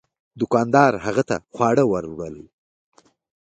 دوکاندار هغه ته خواړه ور وړل.